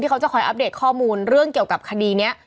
เขาจะคอยอัปเดตข้อมูลเรื่องเกี่ยวกับคดีนี้